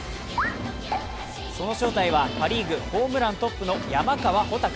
その正体はパ・リーグホームラントップの山川穂高。